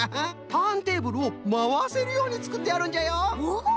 ターンテーブルをまわせるようにつくってあるんじゃよ！